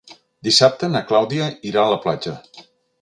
Dissabte na Clàudia irà a la platja.